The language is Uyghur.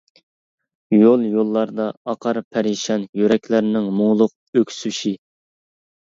يول-يوللاردا ئاقار پەرىشان، يۈرەكلەرنىڭ مۇڭلۇق ئۆكسۈشى.